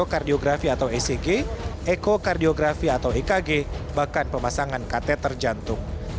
kardiografi atau ecg ekokardiografi atau ekg bahkan pemasangan kateter jantung